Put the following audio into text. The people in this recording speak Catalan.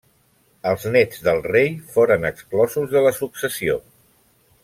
Els néts de rei foren exclosos de la successió.